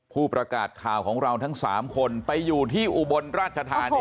ผู้ประกาศข่าวของเราทั้ง๓คนไปอยู่ที่อุบลราชธานี